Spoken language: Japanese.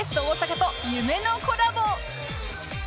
大阪と夢のコラボ